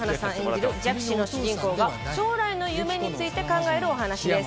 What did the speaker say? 弱視の主人公が将来の夢について考えるお話です。